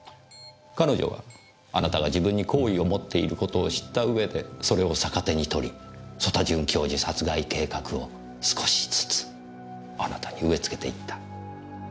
彼女はあなたが自分に好意を持っていることを知ったうえでそれを逆手に取り曽田准教授殺害計画を少しずつあなたに植えつけていった。